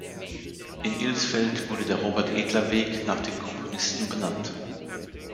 In Ilsfeld wurde der "Robert-Edler-Weg" nach dem Komponisten benannt.